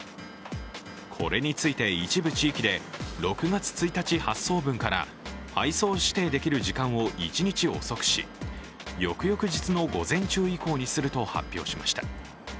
これについて一部地域で６月１日発送分から配送指定できる時間を一日遅くし翌々日の午前中以降にすると発表しました。